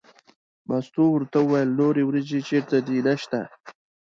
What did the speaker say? مستو ورته وویل نورې وریجې چېرته دي نشته.